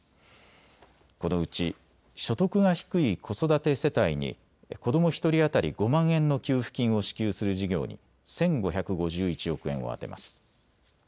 このうち所得が低い子育て世帯に子ども１人当たり５万円の給付金を支給する事業に１５５１億円を充てます。